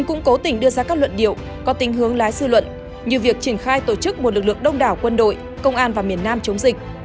cũng cố tình đưa ra các luận điệu có tình hướng lái dư luận như việc triển khai tổ chức một lực lượng đông đảo quân đội công an và miền nam chống dịch